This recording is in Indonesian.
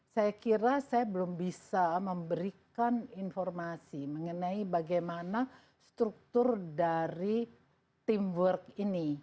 saya kira saya belum bisa memberikan informasi mengenai bagaimana struktur dari teamwork ini